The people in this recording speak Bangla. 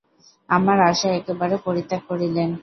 আমার আশা একেবারে পরিত্যাগ করিলেন।